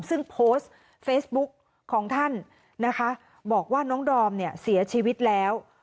ซึ่งโพสต์เฟซบุ๊กของท่านนะคะบอกว่าน้องดอมเนี่ยเสียชีวิตแล้ว